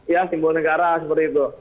ya simbol negara seperti itu